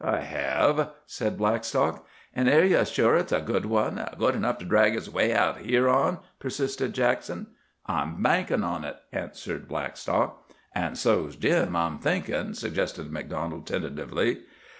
"I hev," said Blackstock. "An' air ye sure it's a good one—good enough to drag us 'way out here on?" persisted Jackson. "I'm bankin' on it," answered Blackstock. "An' so's Jim, I'm thinkin'," suggested MacDonald, tentatively.